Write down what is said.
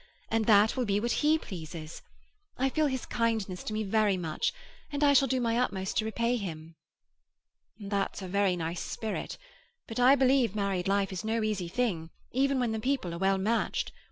And that will be what he pleases. I feel his kindness to me very much, and I shall do my utmost to repay him." "That's a very nice spirit; but I believe married life is no easy thing even when the people are well matched.